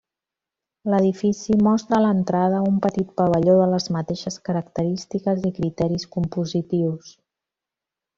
L'edifici mostra a l'entrada un petit pavelló de les mateixes característiques i criteris compositius.